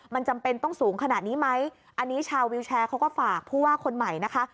มันจำเป็นต้องสูงขนาดนี้ไหมอันนี้ชาววิวแชร์เขาก็ฝากผู้ว่าคนใหม่นะคะ